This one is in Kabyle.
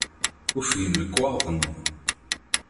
Ufgen lekwaɣeḍ-nni.